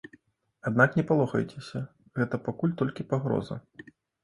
Аднак не палохайцеся, гэта пакуль толькі пагроза.